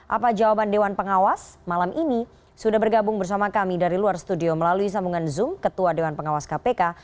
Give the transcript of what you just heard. apa jawaban dewan pengawas malam ini sudah bergabung bersama kami dari luar studio melalui sambungan zoom ketua dewan pengawas kpk